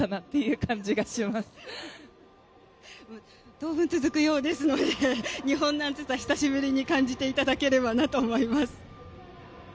当分続くようですので日本の暑さ、久しぶりに感じていただければなと思います。